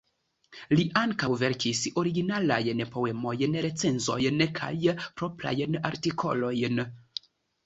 Li ankaŭ verkis originalajn poemojn, recenzojn kaj proprajn artikolojn.